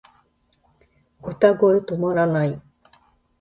歌声止まらない